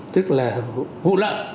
tức là vụ lợi